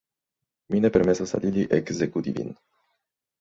Mi ne permesos al ili ekzekuti vin.